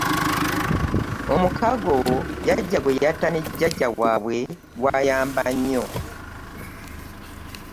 Omukago jjajja gwe yatta ne jjajja waabwe gwayamba nnyo.